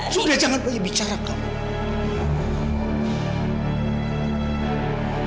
sudah jangan pergi bicara kamu